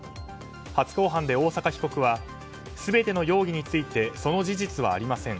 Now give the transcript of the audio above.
初公判で大坂被告は全ての容疑についてその事実はありません